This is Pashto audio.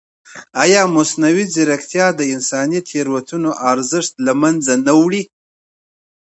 ایا مصنوعي ځیرکتیا د انساني تېروتنو ارزښت نه له منځه وړي؟